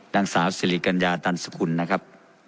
นางสาวสิริกัญญาตันสกุลนะครับ